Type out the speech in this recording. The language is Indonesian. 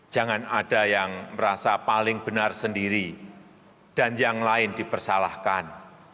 jangan ada yang merasa paling benar sendiri dan yang lain dipersalahkan